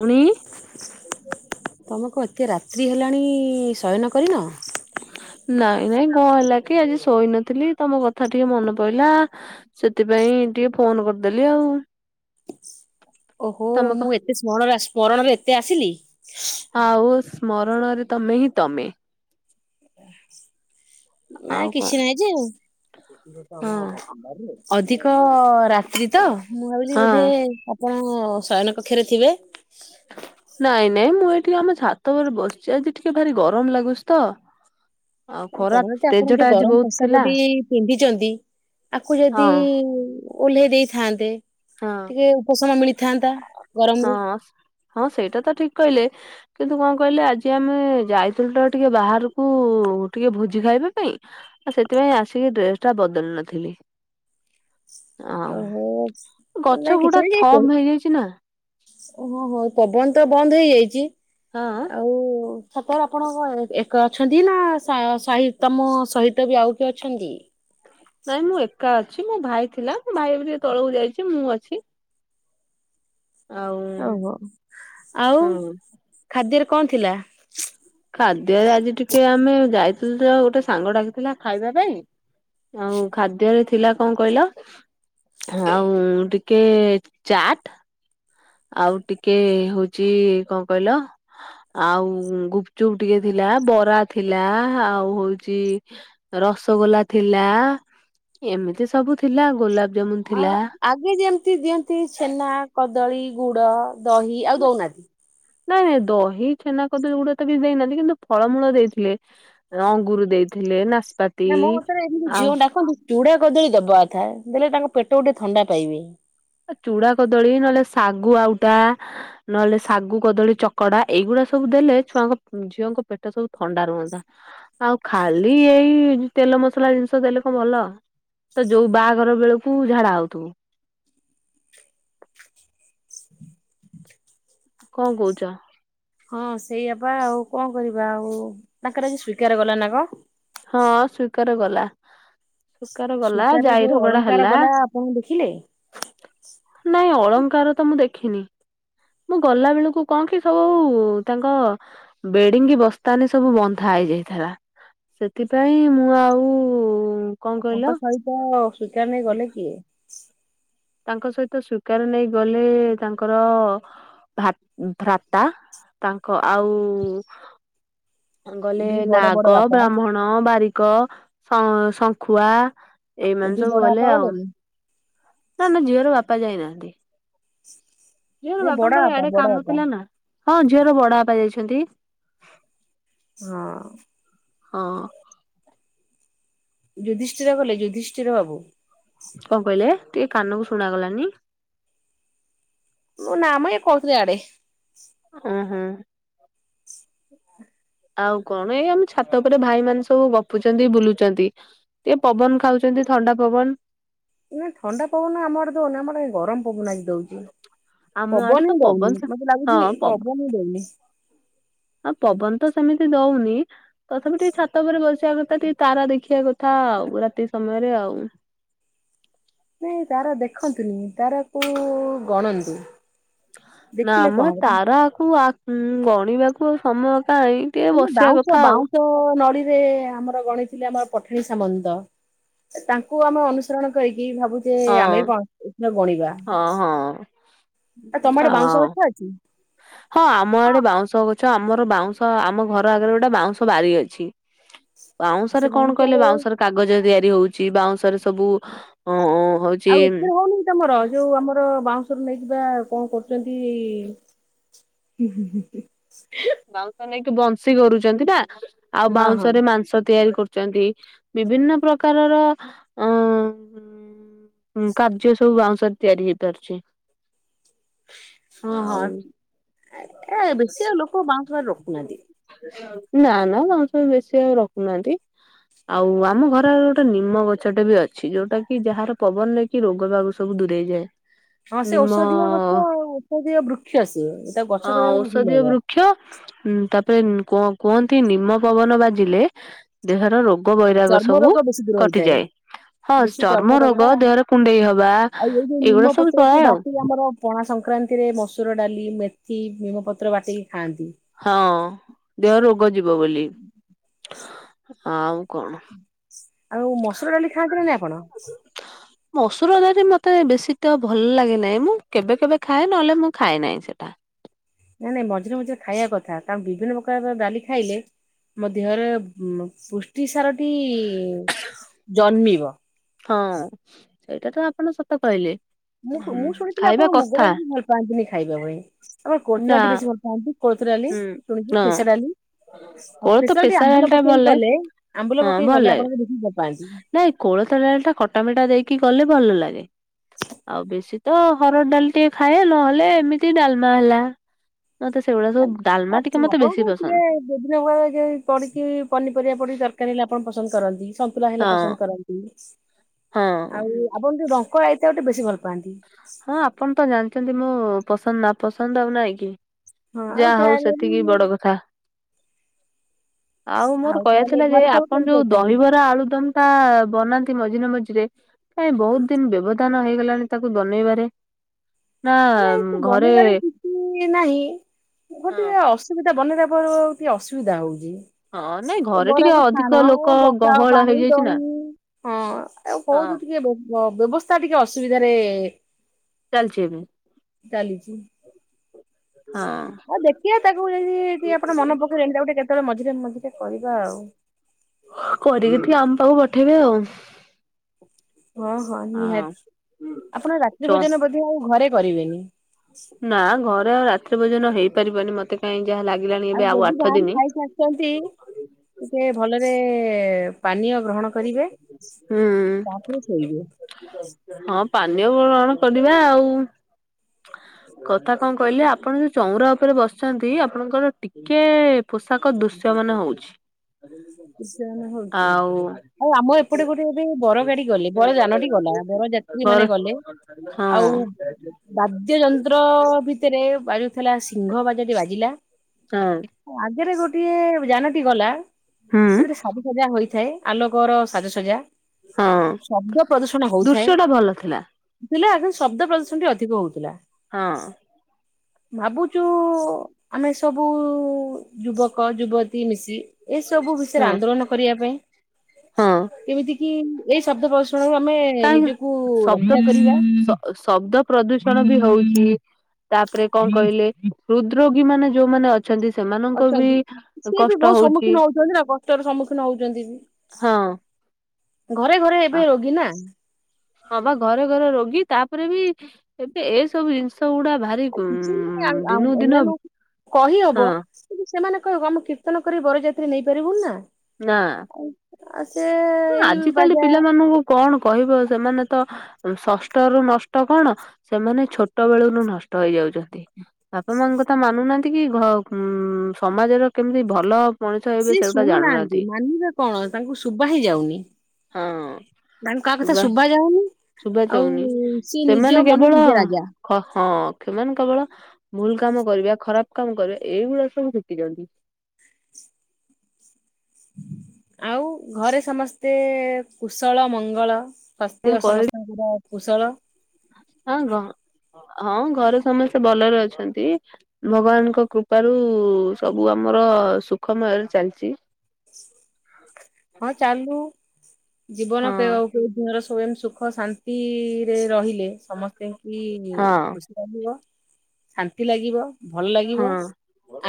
ପୁଣି ତମକୁ ଏତେ ରାତ୍ରି ହେଲାଣି ଶୟନ କରିନ। ନାଇଁ ନାଇଁ କଣ ହେଲା କି ଆଜି ଶୋଇନଥିଲି ତମ କଥା ଟିକେ ମନେ ପଡିଲା ସେଥିପାଇଁ ଟିକେ ଫୋନ କରିଦେଲି ଆଉ। ଓହୋ ତମେ କ ମୁଁ ଏତେ ସ୍ମରଣ ସ୍ମରଣରେ ଏତେ ଆସିଲି। ଆଉ ସ୍ମରଣରେ ତମେ ହିଁ ତମେ। ଆଉ ନାଇ କଣ କିଛି ନାଇଁ ଯେ ହଁ ଆଉ ଅଧିକ ରାତ୍ରି ତ ମୁଁ ଭାବିଲି ହଁ ବୋଧେ ଆପଣ ଶୟନ କକ୍ଷରେ ଥିବେ। ଟିକେ ଆମ ଛାତ ଉପରେ ବସିଛି ଆଜି ଟିକେ ଭାରି ଗରମ ଲାଗୁଛି ତ। ଆଉ ଖରା କଣ କି ତେଜ ଆପଣ ଯୋଉ ଟା ଆଜି ଗରମ ବହୁତ ଥିଲା ପୋଷାକଟି ପିନ୍ଧିଛନ୍ତି ଆକୁ ହଁ ଯଦି ଓହ୍ଲେ ଦେଇଥାନ୍ତେ ହଁ ଟିକେ ଉପଶମ ମିଳିଥାନ୍ତା ଗରମ୍ ହଁ ରୁ। ହଁ ସେଇଟା ତ ଠିକ୍ କଇଲେ। କିନ୍ତୁ କଣ୍ କହିଲେ ଆଜି ଆମେ ଯାଇଥିଲୁ ତ ଟିକେ ବାହାରକୁ ଟିକେ ଭୁଜି ଖାଇବା ପାଇଁ ଆ ସେଥିପାଇଁ ଆସିକି ଡ୍ରେସ୍ଟା ବଦଲି ନଥିଲି। ଆଉ ଅ ହୋପ୍ସ୍ ନା ଗଛ କିଛି ଗୁଡା ନାହି ଯାଇ ପ ଥମ୍ ହେଇଯାଇଛି ନା। ହ ହୋ ପବନ ତ ବନ୍ଦ୍ ହେଇଯାଇଚି ହଁ ଆଉ ସତରେ ଆପଣଙ୍କ ଘଏ ଏକା ଅଛନ୍ତି ନାଁ ସା ସାହି ତମ ସହିତ ବି ଆଉ କିଏ ଅଛନ୍ତି। କା ଅଛି ମୁଁ ଭାଇ ଥିଲା ମୋ ଭାଇ ଏବେ ଟିକେ ତଳକୁ ଯାଇଛି ମୁଁ ଅଛି। ଆଉ ଔହ ଆଉ ହଁ। ଖାଦ୍ୟରେ କଣ୍ ଥିଲା? ଖାଦ୍ୟରେ ଆଜି ଟିକେ ଆମ୍ ମେ ଯାଇଥିଲ୍ ତ ଗୋଟେ ସାଙ୍ଗ ଡାକିଥିଲା ଖାଇବା ପାଇଁ ଆଁଉ ଖାଦ୍ୟରେ ଥିଲା କଣ୍ କହିଲ ଆଁଉଁ ଟିକେ ଚାଟ୍ ଆଉ ଟିକେ ହଉଚି କଁ କଇଲ ଆଉ ଗୁପ୍ଚୁପ୍ ଟିକେ ଥିଲା। ଆ ବରା ଥିଲା ଆଉ ହଉଚି ରସଗୋଲା ଥିଲା ଏମିତି ସବୁ ଥିଲା ଗୋଲାବ୍ ଆଉ ଆଗେ ଯେମ୍ତି ଦିଅନ୍ତି ଛେନା କଦଳୀ ଗୁଡ଼ ଦହି ଆଉ ଦଉନାଆତି ନାଇଁ ନାଇଁ ଦହି ଛେନା କଦଳୀ ଗୁଡ଼ା ତ ବି ଦେଇନଆନ୍ତି କିନ୍ତୁ ଫଳମୂଳ ଦେଇଥିଲେ ଅଙ୍ଗୁର ଦେଇ ଥିଲେ ନାସ୍ ନା ମୋ ମତର ଏମ୍ତି ଝିଅ କୁ ଡାକନ୍ତୁ। ଚୁଡା କଦଳୀ ଦବାଅଥା ଦେଲେ ତାଙ୍କ ପେଟଉ ଟିକେ ଥଣ୍ଡା ପାଇବେ। ଚୁଡା କଦଳୀ ନହେଲେ ଶାଗୁ ଆଉଟା ନହେଲେ ଶାଗୁ କଦଳୀ ଚକଡ଼ା ଏଇଗୁଡ଼ା ସବୁ ଦେଲେ ଛୁଆଙ୍କ ଝିଅଙ୍କ ପେଟ ସବୁ ଥଣ୍ଡା ରୁହନ୍ତା ଆଉ ଖାଲି ଏଇ ତେଲ ମ ମସ୍ଲା ଜିନିଷ ଦେଲେ କଣ ବଲ ତ ଯୋଉ ବାଆଘର ବେଳକୁ ଝାଡ଼ା ହଉଥିବୁ। କଁ କଉଚ ହଁ ସେଇଆପା ଆଉ କଁ କରିବା ଆଉ ତାଙ୍କର ଆଜି ସ୍ୱୀକାର ଗଲା ନା କଁ ହଁ ସ୍ୱୀକାର ଗଲା ସୁକାର ଗଲା ସ୍ଵୀକାର ଯୋଉ ଜାଇରଗଡ଼ା ଅଳଙ୍କାର ହେଲା ଗଲା ଆପଣ ଦେଖିଲେ? ନାଇଁ ଅ ଅଙ୍କାର ତ ମୁଁ ଦେଖିନି ମୁଁ ଗଲା ବେଳକୁ କନ୍ କି ସବୁ ତାଙ୍କ ବେଡ଼ିଙ୍ଗି ବସ୍ତାନି ସବୁ ବନ୍ଧା ଏଇଯାଇଥେଲା ସେଥିପାଇଁ ମୁଁ ଆଉ କଣ କହିଲ ଆପଙ୍କ ସହିତ ସ୍ୱୀକାର୍ ନେଇ ଗଲେ କିଏ? ତାଙ୍କ ସହିତ ସ୍ୱୀକାର୍ ନେଇ ଗଲେ ତାଙ୍କର ଭତ୍ ଭ୍ରାତା ତାଙ୍କ ଆଉ ଗଲେ ଦୁଇ ବଡ ବଡ ନାଗ ବାପା ବ୍ରାହ୍ମଣ ବାରିକ ଶଂ ଶଂଙ୍ଖୁଆ ଏମାନେ ଦି ସବୁ ବଡ ଗଲେ ବାପା ଆଉ ଗଲେନି ନା ନା ଝିଅର ବାପା ଯାଇନାହାନ୍ତି। ଝିଅର ନାଇଁ ବଡ ବାପାଙ୍କର ବାପା ଇଆଡ଼େ ବଡ କାମ ବାପା। ଥିଲା ନା ହଁ ଝିଅର ବଡ଼ ବାପା ଯାଇଛ ଏନ୍ତି [inaudible] [unintelligible] ହଁ [unintelligible] ହଁ ଯୁଦିଷ୍ଠିର ଗଲେ ଯୁଧିଷ୍ଠିର ବାବୁ କନ୍ କଇଲେ ଟିକେ କାନକୁ ଶୁଣାଗଲାନି ମୁଁ ନାମ ଏ କଉତିଲି ଇଆଡ଼େ ଉଁ ହୁଁ ଆଉ କଣ୍ ଏ ଆମ ଛାତ ଉପରେ ଭାଇ ମାନେ ସବୁ ଗପୁଛନ୍ତି ବୁଲୁଛନ୍ତି ଟିକେ ପବନ୍ ଖାଉଛ ଏନ୍ତି ଥଣ୍ଡା ପବନ୍ ଇନେ ଥଣ୍ଡା ପବନ୍ ଆମ ଆଡ଼େ ଦଉନି ଆମର ଏ ଗରମ୍ ପବନ୍ ଆଜି ଦଉଚି। ଆମ ଆଡେ ତ ପବନ ହି ଦଉନି ମତେ ଲାଗୁଛି ହଁ ପବ ପବନ ହି ଦଉନି। ଆଉ ପବନ ତ ସେମିତି ଦଉନି ତଥାପି ଟିକେ ଛାତ ଉପରେ ବସିବା କଥା ଟିକେ ତାରା ଦେଖିବା କଥା। କଥା ଆଉ ରାତି ସମୟରେ ଆଉ। ତାରାକୁ ଗଣନ୍ତି। ନାମ ତାରାକୁ ଗଣିବାକୁ ଆଉ ସମୟ। ପାଇଁ ଟିକେ ମାନେ ବସିବା ବାଉଁଶ କଥା ଆଉ। ବାଉଁଶ ନଳିରେ ଆମର ଗଣି ଥିଲେ ଆମର ପଠାଣୀ ସାମନ୍ତ ତାଙ୍କୁ ଆମେ ଅନୁସରଣ କରି। କି ଭାବୁଛେ ଆମେ ହଁ ବି [unintelligible] ଗଣିବା। ହଁ ହଁ ଆ ତମ ଆଡେ ବାଉଁଶ ହଁ। ଗଛ ଅଛି। ହଁ ଆମ ଆଡେ ବାଉଁଶ ଗଛ। ଛ ଆମର ବାଉଁଶ ଆମ ଘର ଆଗରେ ଗୋଟେ ବାଉଁଶ ବାରି ଅଛି। ସେ ବାଉଁଶରେ କଣ କହିଲେ ବାଉଁଶରୁ ବାଉଁଶରେ କାଗଜ ତିଆରି ହଉଛି ବାଉଁଶରେ ସବୁ ଅ- ହଉଛି ଆଉ ଏଠ ହଉନି ତମର ଯୋଉ ଆମର ବାଉଁଶ। ନେଇକିବା କଣ କରୁଚନ୍ତି। ବାଉଁଶ ନେଇକି ବଂଶୀ କରୁଛନ୍ତି ନା ଆଉ ହଁ ହଁ ବାଉଁଶ ରେ ମାଂସ ତିଆରି କରୁ। ଚନ୍ତି ବିଭିନ୍ନ ପ୍ରକାରର ଅ- କାର୍ଯ୍ୟ ସବୁ ବାଉଁ ସରେ ତିଆରି ହେଇପାରୁଛି। ହଁ ହଁ ଆଉ ଏ ବେଶି ଆଉ ଲୋକ ବାଉଁଶ ବରି ରଖୁ ନାହାନ୍ତି। ନା ନା ହଉଁଶ ବାରି ଆଉ ବେଶୀ ଆଉ ରଖୁ ନାହାନ୍ତି। ଆଉ ଆମ ଘର ଗୋଟେ ନିମ ଗଛ ଟେ ବି ଅଛି ଯୋଉଟା କି ଯାହାର ପବନରେ କି ରୋଗ ବାଗ ସବୁ- ଦୂରେଇ ଯାଏ। ହଁ ସେ ଔଷଧୀୟ ଗଛ ଔଷଧୀୟ ବୃକ୍ଷ ସିଏ ସେ ହଁ ଗଛ କରିବାକୁ ଭୁଲ ଔଷଧୀୟ ହବ। ବୃକ୍ଷ ତାପରେ କୁହନ୍ତି ନିମ ପବନ ବାଜିଲେ ଦେହର ରୋଗ। ରୋଗ ବୈରାଗ ଚର୍ମ ସବୁ ରୋଗ ବେଶୀ ଦୂର ହେଇଥାଏ। କଟିଯାଏ। ହଁ ଚର୍ମ ରୋଗ ଦେହରେ କୁଣ୍ଡେଇ ହବା ଆଉ ଏଇ ଯୋଉ ନିମ ଏଇଗୁଡା ସବୁ ପତ୍ରକୁ ପଳାଏ ଆଉ। ବାଟିକି ଆମର ପଣା ସଂକ୍ରାନ୍ତିରେ ମସୁର ଡା଼ଲି ମେଥି ନିମପତ୍ର ବାଟି। ହଁ ଦେହ ରୋଗ ଯିବ ବୋଲି ଆଉ କଣ। ଆଉ ମସୁର ଡା଼ଲି ଖାଆନ୍ତି ନା ନାଇ ଆପଣ। ମସୁର ଡ଼ାଲି ମତେ ବେଶୀ ତ ଭଲ ଲାଗେ ନାହିଁ ମୁଁ କେବେ କେବେ ଖାଏ ନହେଲେ ମୁଁ ଖାଏ ନାହିଁ ସେଟା। [inaudible] ନାଇଁ ନାଇଁ ମଝିରେ ମଝିରେ ଖାଇବା କଥା କାରଣ ବିଭିନ୍ନ ପ୍ରକାର ଡାଲି ଖାଇଲେ। ମୋ ଦେହରେ ପୁଷ୍ଟି ସାରଟି ଜନ୍ମିବ। ହଁ ସେଇଟା ତ ଆପଣ ସତ କହିଲେ। ମୁଁ ହୁଁ ମୁଁ ଶୁଣିଥିଲି ଖାଇବା ଆପଣ କଥା ମୁଗର ଭଲ ପାଆନ୍ତିନି ଖାଇବା ପାଇଁ ଆପଣ କୋଳଥ୍ ନା ଡ଼ାଲିଟି ବେଶୀ ଭଲ ପାଆନ୍ତି। କୋଳଥ ଡ଼ାଲି ହୁଁ ଶୁଣିଚି ହଁ ଫେସା ଡ଼ାଲି। କୋଳଥ ସ୍ପେସାଲ୍ ଟି ପେସା ଡାଲି ଆମ୍ବୁଲ ଟା ଭଲ ପକେଇକି ଲାଗେ କଲେ ଆମ୍ବୁଲ ହଁ ପକେଇ ଭଲ କଲେ ଲାଗେ ଆପଣଙ୍କୁ ବହୁତ ଭଲ ପାଆନ୍ତି। ନାଇଁ କୋଳଥ ଟା କଟାମିଟା ଦେଇକି ଗଲେ ଭଲ ଲାଗେ। ଆଉ ବେଶୀ ତ ହରଡ଼ ଡାଲି ଟିକେ ଖାଏ ନହେଲେ ଏମିତି ଡା଼ଲମା ହେଲା। ମତେ ସେଗୁଡ଼ା ସବୁ। ଆପଣ ଡାଲମା ଟିକେ କଣ ମତେ ବେଶୀ କହୁଥିଲେ ପସନ୍ଦ ବିଭିନ୍ନ ପ୍ରକାର ପଡ଼ଛିି ପନିପରିବା ପଡଛିି ତରକାରୀ ହେଲେ ଆପଣ। ପସନ୍ଦ କରନ୍ତି ସନ୍ତୁଲା ହେଲେ ହଁ ପସନ୍ଦ କରନ୍ତି ହଁ। ଆଉ ଆପଣ ଯୋଉ। [unintelligible] ଆଇତା କୁ ଟିକେ ବେଶୀ ଭଲ ପାଆନ୍ତି। ହଁ ଆପଣ ତ ଜାଣିଛନ୍ତି ମୁଁ ପସନ୍ଦ ନା ପସନ୍ଦ ଆଉ ନାଇଁ କି। ହଁ ଆଉ ଯାହା ହଉ ଯାହାହେଲେ ବି ସେତିକି ବଡ଼ କଥା। ଆଉ ମୋର କହିବା ତାହେଲେ ଥିଲା ଯେ ଘରେ ସବୁ ଆପଣ କେମିତି ଯୋଉ ଅଛନ୍ତି? ଦହିବରା ଆଳୁଦମ ଟା ବନାନ୍ତି। ମଝିରେ ମଝିରେ କାଇ ବହୁତ ଦିନ ବ୍ୟବଧାନ ହେଇଗଲାଣି ତାକୁ ବନେଇବାରେ। ନା ଘରେ ବନେଇବାରେ କିଛି ନାହିଁ ହଁ ଗୋଟେ ଅସୁବିଧା। ବନେଇବାବ ପୂର୍ବରୁ ଟିକେ ଅସୁବିଧା ହଉଚି। ହଁ। ନାଇଁ ସେ ଘରେ ଟିକେ ବରାକୁ ଅଧିକ ଛାଣ ଲୋକ ବସାଅ ଗହଳ ପାଇଁ ହେଇଯାଇଛି ନା ଦହି ହଁ ଆଉ ହଁ। କହୁତୁ ଟିକେ । ହ ବ୍ୟବସ୍ଥା ଟିକେ ଅସୁବିଧାରେ ଚାଲିଛି ଭ ଚାଲିଛି । ହଁ। ଆଉ ଦେଖିବାେ ତାକୁ ଯଦି ଆପଣ ମନ ପକେଇଲେଣି ତାକୁ ଗଟେ କେ ତାହେଲେ ମଝିରେ ମଝିରେ କରିବା ଆଉ । କରିକି ଟିକେ ଆମ ପାଖକୁ ପଠେଇବେ ଆଉ । ହଁ ହଁ ନିହାତି ଆପଣ ଚ ରାତ୍ରି ଭୋଜନ ବୋଧ ଆଉ ଘରେ କରିବେନି । ନା ଘରେ ଆଉ ରାତ୍ରି ଭୋଜନ ହେଇପାରିବନି ମତେ କାହିଁକି ଆଉ ଯଦି ବାହାର ଖାଇି ଆସିଛନ୍ତି ଟିକେ ଭଲରେ ପାନୀୟ ଗ୍ରହଣ କରିବେ ହୁଁ ତାପରେ ଶୋଇବେ । ହଁ ପାନୀୟଣ କରିବା ଆଉ । କଥା କଣ କହିଲେ ଆପଣ ଯୋଉ ଚଉରା ଉପରେ ବସିଛନ୍ତି ଆପଣଙ୍କର ଟିକେ ପୋଷାକ ଦୁ ସ୍ୟମାନ ହଉଛି । ୟ ନା ହଉଛି । ଆଉ ଆମ ଏପଟେ ଗୋଟେ ଏବେ ବର ଗାଡି ଗଲେ ବର ଯାନଟି ଗଲା ବରଯାତ୍ରୀ ଘର ମାନେ ଗଲେ ହଁ । ଆଉ ବାଦ୍ୟଯନ୍ତ ସମ୍ର ଭିତରେ ବାଜୁଥିଲା ସିଂହ ବାଜଟି ବାଜିଲା ହଁ। ଆଗରେ ଗୋଟେ ଗୋଟିଏ ଯାନଟି ଗଲା ସେ ହୁଁ ଗଟେ ସାଜସଜା ହୋଇଥାଏ। ଆଲୋକର ସାଜସଜା ହଁ ଶବ୍ଦ ପ୍ରଦୂଷଣ ହଉଥାଏ। ଦୃଶ୍ୟ ଟା ଭଲ ଥିଲା ଶବ୍ଦ ପ୍ରଦୂଷଣଟି ଅଧିକ ହଉଥିଲା। ହଁ। ଭାବୁଛୁ ଆମେ ସବୁ ଯୁବକ ଯୁବତୀ ମିଶି ସବୁ ବିଷୟରେ ହଁ ଆନ୍ଦୋଳନ କରିବା ପାଇଁ ହଁ। ଏମିତି କି ଏଇ ଶବ୍ଦ ପ୍ରଦୂଷଣରୁ ଆମେ କାହିଁ ନିଜକୁ ଶବ୍ଦ ରକ୍ଷା କରିବା ଶବ୍ଦ ପ୍ରଦୂଷଣ ବି ହଉଛି। ତାପରେ କଣ କହିଲେ ହୃଦରୋଗୀ ମାନେ ଯୋଉମାନେ ଅ ଛନ୍ତି ସେମାନଙ୍କ ବି ଅଛନ୍ତି ସିଏ ବି କଷ୍ଟ ବହୁତ ହଉଛି, ସମ୍ମୁଖୀନ ହଉଛନ୍ତି ନା କଷ୍ଟର ସମ୍ମୁଖୀନ ହଉଛନ୍ତି ବି। ହଁ। ହଁ। ଘରେ ଘରେ ଏବେ ରୋଗୀ ନା ହ ବା ଘରେ ଘରେ ରୋଗୀ। ତାପରେ ବି ଏବେ ଏସବୁ ଜିନିଷ ଗୁଡା ଭାରି [unintelligible] ଦିନକୁ ଦିନ କହି ହଁ ହବ। ସେମାନେ କହିବ ଆମେ କୀର୍ତ୍ତନ କରି ବରଯାତ୍ରୀ ନେଇପାରିବୁନି ନା। ନାଁ। ଆଉ ଆଉ ସେ ଏଇ ଆଜିକାଲି ବାଜା ପିଲାମାନଙ୍କୁ କଣ କହିବ ସେମାନେ ତ ଷଷ୍ଠ ରୁ ନଷ୍ଟ କଣ ସେମାନେ ଛୋଟ ବେଳରୁ ନଷ୍ଟ ହେଇଯା ଉଛନ୍ତି ବାପା ମାଙ୍କ କଥା ମାନୁନାହାନ୍ତି କି [inaudible] ସମାଜର କେମିତି ଭଲ ମଣିଷ ହେବେ ସେ ସେଗୁଟା ଜାଣୁନାହାନ୍ତି ଶୁଣୁନାହାନ୍ତି ମାନିବେ କଣ ତାଙ୍କୁ ଶୁବା ହିଁ ଯାଉନି। ହଁ। ତାଙ୍କୁ କାହା କଥା ଶୁଭ ଯାାଉନି। ଶୁବା ଯାଉନି ସେମାନେ କେବଳ ନିଜେ ରାଜା। ହଁ ସେମାନେ କେବଳ ଭୁଲ କାମ କରିବା ଖରାପ କାମ କରିବା ଏଇଗୁଡା ସବୁ ଶଖିଛନ୍ତି । [inaudible] ଆଉ ଘରେ ସମସ୍ତେ କୁଶଳ ମଙ୍ଗଳ। କଣ ସ୍ୱାସ୍ଥ୍ୟ କହିବି ସମସ୍ତଙ୍କର କୁଶଳ। [inaudible] ହଁ ଘରେ ସମସ୍ତେ ଭଲରେ ଅଛନ୍ତି ଭଗବାନଙ୍କ କୃପାରୁ ସବୁ ଆମ ମୋର ସୁଖମୟରେ ଚାଲିଛି। ହଁ ଚାଲୁ ଜୀବନ ହଁ ଆଉ କୋଉ ଦିନର ସୋୟଂଗ ସୁଖ ଶାନ୍ତିରେ ରହିଲେ ସମସ୍ତେଙ୍କୁ ହଁ ଖୁସି ଲାଗିବ। ଶାନ୍ତି ଲାଗିବ ଭଲ ଲାଗିବ ହଁ।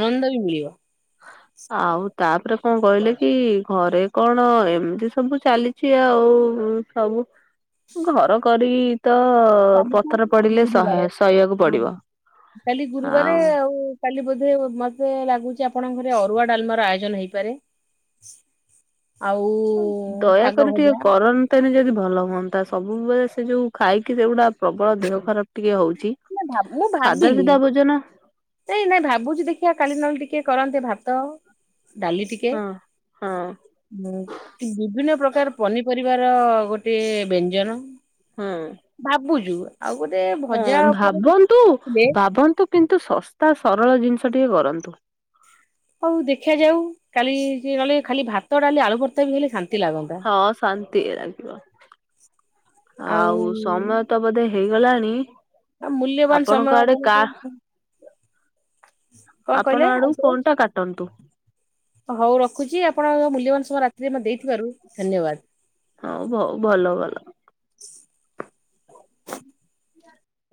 ଆନନ୍ଦ ବି ମିଳିବ। ଆଉ। ତାପରେ କଣ କହିଲେ କି ଘରେ କଣ ଏମିତି ସବୁ ଚାଲିଛି ଆଉ ସବୁ ଘର କରି ତ କାଲି ତ ପଥର ପଡିଲେ ଗୁରୁବାର ଶହେ ସଇିବାକୁ ହଁ, ପଡିବ। କାଲି ଗୁରୁବାର ଆଉ କାଲି ବ ମତେ ଲାଗୁଚ ଆପଣଙ୍କ ଘରେ ଅରୁଆ ଡାଲମା ର ଆୟୋଜନ ହେଇପାରେ। ଆଉ ଶାଗ ଦୟାକରି ଟିକେ ଭଜା କରନ୍ତେନି ଯଦି ଭଲ ହୁଅନ୍ତା ସବୁବେଳେ ସେ ଯୋଉ ଖାଇକି ସେଗୁଡା ପ୍ରବଳ ଦେହ ଖରାପ ଟିକେ ହଉଛି। ନା ଭାବ ମୁଁ ସାଧା ଭାବିଲି ସିଧା ଭୋଜନ ନାଇ ନାଇଁ ଭାବୁଛି ଦେଖିବା କାଲି ନେ ଟିକେ କରନ୍ତେ ଭାବ ଡାଲି ଟିକେ ହଁ ହଁ ବିଭିନ୍ନ ପ୍ରକାର ପନି ପରିବାର ଗୋଟେ ବ୍ୟଞ୍ଜନ ହଁ। ଭାବୁଛୁ। ଆଉ ଗୋଟେ ହଁ ଭଜା ଉପରେ ଭାବନ୍ତୁ ଥିଲେ ଭାବନ୍ତୁ କିନ୍ତୁ ଶସ୍ତା ସରଳ ଜିନିଷ ଟିକେ କରନ୍ତୁ। ହଉ ଦେଖିବା ଯାଉ କାଲି କହ ଖାଲି ଭାତ ଡାଲି ଆଳୁ ଭର୍ତ୍ତା ବି ହେଲେ ଶାନ୍ତି। ଲାଗନ୍ତା। ହଁ ଶାନ୍ତି ଲାଗିବ। ଆଉ ସମୟ ତ ବୋଧେ ହେଇଗଲାଣି। ଆଉ ମୂଲ୍ୟବାନ ଆପଣଙ୍କ ସମୟ ଆଡେ କା ଆପଣଙ୍କର। ଆପଣ ଆଡୁ ଆଉ ଥରେ? ଫୋନ୍ ଟା କାଟନ୍ତୁ। ହଉ ରଖୁଛି। ଆପଣଙ୍କ ମୂଲ୍ୟବାନ ସମୟ ରାତିରେ ଆମେ ଦେଇଥିବାରୁ ଧନ୍ୟବାଦ। ହଁ ଭଲ ଭଲ।